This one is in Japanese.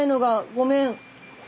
ごめん。